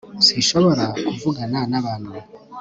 Sinshobora kuvugana nabantu